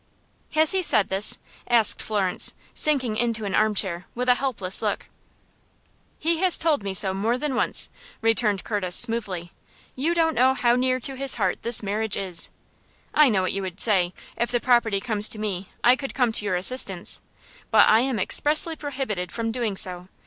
"Has he said this?" asked Florence, sinking into an armchair, with a helpless look. "He has told me so more than once," returned Curtis, smoothly. "You don't know how near to his heart this marriage is. I know what you would say: If the property comes to me I could come to your assistance, but I am expressly prohibited from doing so.